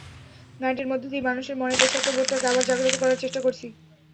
গানটির মধ্য দিয়ে মানুষের মনের দেশাত্মবোধটাকে আবার জাগ্রত করার চেষ্টা করেছি।